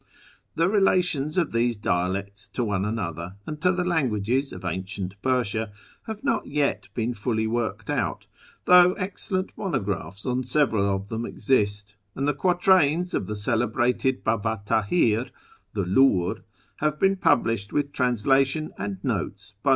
The relations of these dialects to one another, and to the languages of ancient Persia, have not yet been fully worked out, though excellent monographs on several of them exist, and the quatrains of the celebrated Baba Tahir, " the Lur," have been published with translation and notes by M.